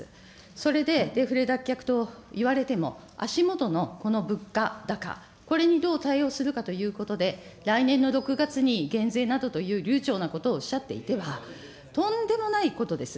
それでデフレ脱却といわれても足元のこの物価高、これにどう対応するかということで、来年の６月に減税などというなことをおっしゃっていては、とんでもないことです。